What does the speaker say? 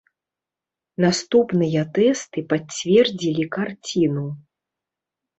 Наступныя тэсты пацвердзілі карціну.